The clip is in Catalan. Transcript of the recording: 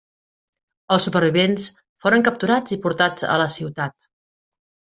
Els supervivents foren capturats i portats a la ciutat.